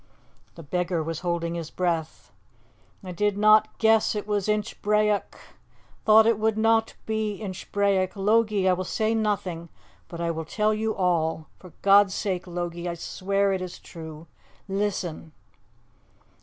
..." The beggar was holding his breath. "I did not guess it was Inchbrayock ... I thought it would not be Inchbrayock! Logie, I will say nothing ... but I will tell you all. For God's sake, Logie, ... I swear it is true! ... Listen.